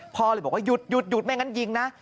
พ่อเลยบอกว่าหยุดไม่งั้นยิงนะ